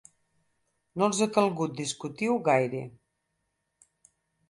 No els ha calgut discutir-ho gaire.